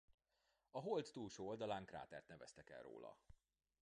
A Hold túlsó oldalán krátert neveztek el róla.